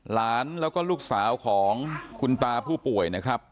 หลานแล้วก็ลูกสาวของคุณตาผู้ป่วยนะครับ